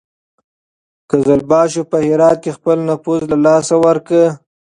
قزلباشو په هرات کې خپل نفوذ له لاسه ورکړ.